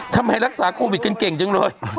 ทำไมรักษาโควิดกันเก่งจังเลย